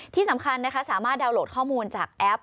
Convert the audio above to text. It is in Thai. ที่สำคัญนะคะสามารถดาวนโหลดข้อมูลจากแอป